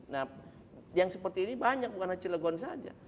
nah yang seperti ini banyak bukan hanya cilegon saja